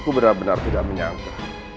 aku benar benar tidak menyangka